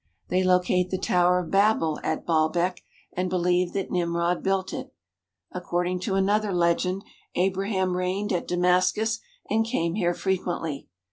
They locate the Tower of 234 BAALBEK THE WONDERFUL Babel at Baalbek and believe that Nimrod built it. Ac cording to another legend, Abraham reigned at Damascus and came here frequently.